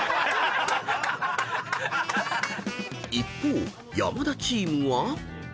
［一方山田チームは］